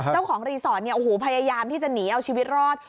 เจ้าของรีสอร์ทเนี่ยโอ้โหพยายามที่จะหนีเอาชีวิตรอด